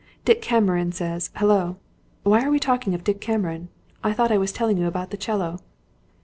Dick Cameron says Hullo! Why are we talking of Dick Cameron? I thought I was telling you about the 'cello."